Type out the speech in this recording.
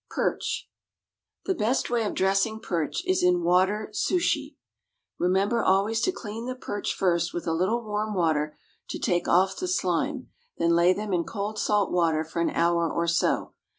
=Perch.= The best way of dressing perch is in water souchy. Remember always to clean the perch first with a little warm water to take off the slime, then lay them in cold salt water for an hour or so.